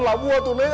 aduh aduh aduh